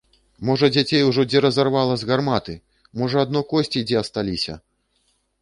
Можа дзяцей дзе ўжо разарвала з гарматы, можа адно косці дзе асталіся!